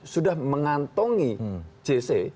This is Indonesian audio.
sudah mengantongi jc